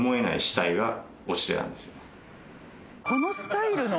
このスタイルの？